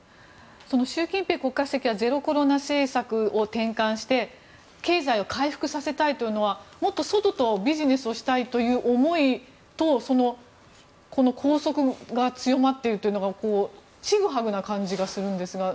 習近平国家主席はゼロコロナ政策を転換して経済を復活させたいというのはもっと外とビジネスをしたいという思いと拘束が強まってるというのがちぐはぐな感じがするんですが。